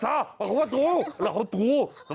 ถ้าเป็นเพลงก็คือสายรอกใช้ว่าง